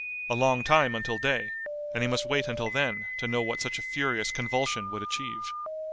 A long time until day and he must wait until then to know what such a furious convulsion would achieve.